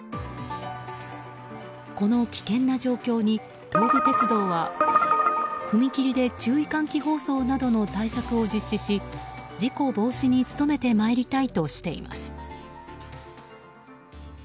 この危険な状況に東武鉄道は踏切で注意喚起放送などの対策を実施し事故防止に努めてまいりたいとしています。